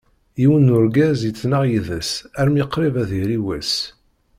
Yiwen n urgaz ittnaɣ yid-s armi qrib ad yali wass.